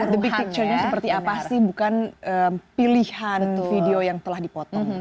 the big picture nya seperti apa sih bukan pilihan video yang telah dipotong